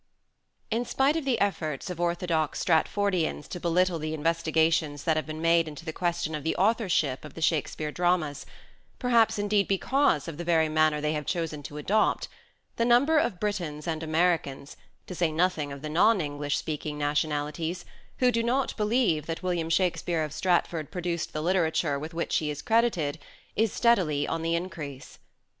IN spite of the efforts of orthodox Stratfordians to Growing belittle the investigations that have been made into scePtlclsm the question of the authorship of the Shakespeare dramas ; perhaps indeed because of the very manner they have chosen to adopt, the number of Britons and Americans, to say nothing of the non English speaking nationalities, who do not believe that William Shakspere of Stratford produced the literature with which he is credited is steadily on the increase.